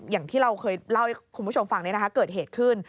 อย่างที่เราเคยเล่าให้คุณผู้ชมฟังเกิดเหตุขึ้น